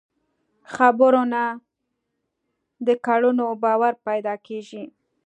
د خبرو نه، د کړنو باور پیدا کېږي.